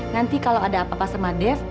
nanti kalau ada apa apa sama dev